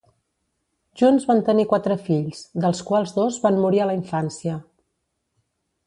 Junts van tenir quatre fills, dels quals dos van morir a la infància.